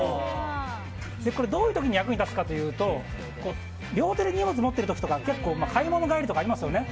どういう時に役に立つかというと両手で荷物を持っている時とか結構、買い物帰りとかありますよね。